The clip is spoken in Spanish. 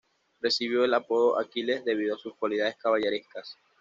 Recibió el apodo Aquiles debido a sus cualidades caballerescas.